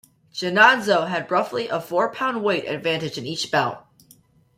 Jannazzo had roughly a four-pound weight advantage in each bout.